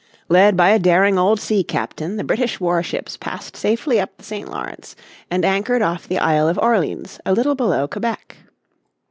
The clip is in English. Led by a daring old sea captain the British war ships passed safely up the St. Lawrence and anchored off the Isle of Orleans a little below Quebec.